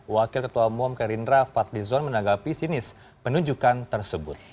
wakil ketua muam kerindra fadlizon menanggapi sinis penunjukan tersebut